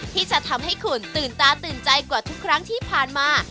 ที่จะทำให้คุณตื่นตาตื่นใจกว่าทุกครั้งที่ผ่านมา